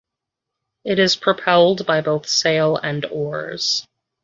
It is propelled by both sail and oars.